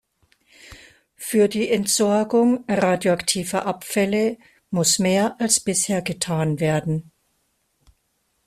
Für die Entsorgung radioaktiver Abfälle muss mehr als bisher getan werden.